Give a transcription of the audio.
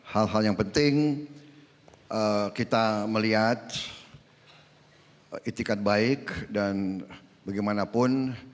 hal yang penting kita melihat itikad baik dan bagaimanapun